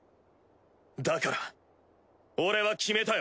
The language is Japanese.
だから俺は決めたよ